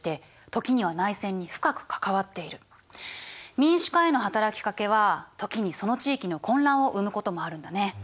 民主化への働きかけは時にその地域の混乱を生むこともあるんだね。